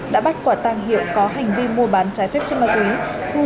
đã bắt quả tàng hiệu có hành vi mua bán trái phép chất ma túy